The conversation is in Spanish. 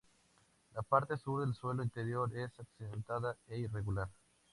La parte sur del suelo interior es accidentada e irregular.